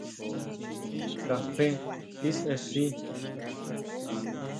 Kafé tisexi.